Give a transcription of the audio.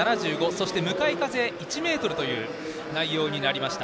そして、向かい風は１メートルの内容になりました。